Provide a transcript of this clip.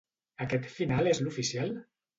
Aquest final és l'oficial?